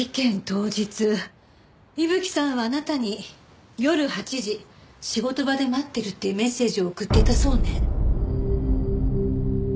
当日伊吹さんはあなたに「夜８時仕事場で待ってる」っていうメッセージを送っていたそうね。